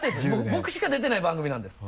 僕しか出てない番組なんです。